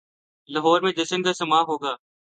لاہور میں جشن کا سماں ہو گا۔